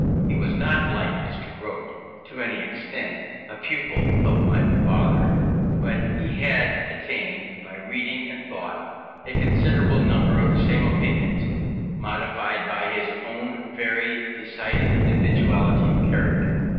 He was not, like Mr. Grote, to any extent, a pupil of my father, but he had attained, by reading and thought, a considerable number of the same opinions, modified by his own very decided individuality of character.